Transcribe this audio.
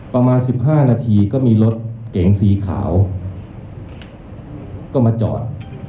ประมาณ๑๕นาทีก็มีรถเก๋งสีขาวก็มาจอด